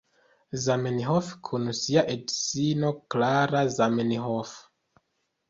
Zamenhof kun sia edzino, Klara Zamenhof.